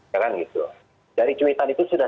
ya kan gitu dari cuitan itu sudah